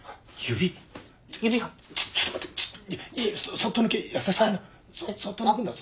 そっと抜くんだぞ。